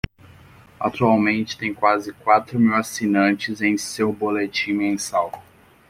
Atualmente, tem quase quatro mil assinantes em seu boletim mensal.